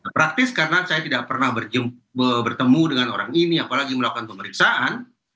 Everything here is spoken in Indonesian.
praktis karena saya tidak pernah bertemu dengan orang ini apalagi melakukan pemeriksaan